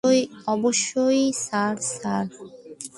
অবশ্যই sir, sir?